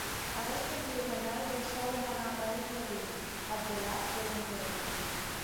Aguestes dues mainades deishauen anar arrais de lum; ath delà, qu’èren reines.